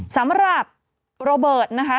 สำหรับโรเบิร์ตนะคะ